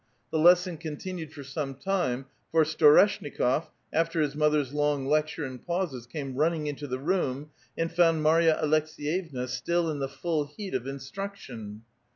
The lesson continued for some time, for Storeshnikof, after his mother's long lecture and pauses, came running into the room, aud found Marya Alek seyevna still in the full heat of instruction.